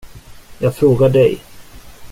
Jag frågar dig.